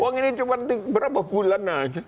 uang ini cuma berapa bulan aja